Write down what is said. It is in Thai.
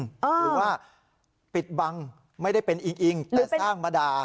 หรือว่าปิดบังไม่ได้เป็นอิงอิงแต่สร้างมาด่า